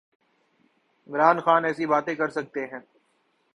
عمران خان ایسی باتیں کر سکتے ہیں۔